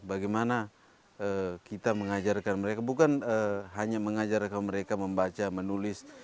bagaimana kita mengajarkan mereka bukan hanya mengajarkan mereka membaca menulis